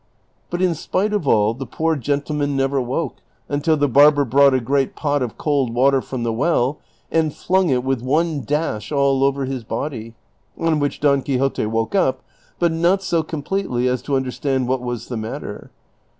But in spite of all the poor gentleman never woke until the barber brought a great pot of cold water from the well and flung it with one dash all over his body, on which Don Quixote woke up, but not so completely as to understand what was the matter.